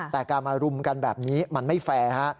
แต่การมารุมกันแบบนี้มันไม่แฟร์ฮะ